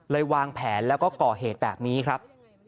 วางแผนแล้วก็ก่อเหตุแบบนี้ครับ